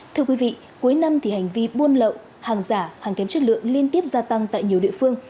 thưa quý vị cuối năm thì hành vi buôn lậu hàng giả hàng kém chất lượng liên tiếp gia tăng tại nhiều địa phương